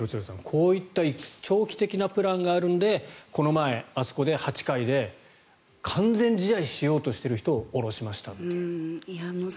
こういった長期的なプランがあるのでこの前、あそこで８回で完全試合しようとしている人を降ろしましたという。